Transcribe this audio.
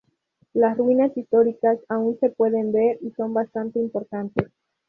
Las ruinas históricas aún se pueden ver y son bastante importantes.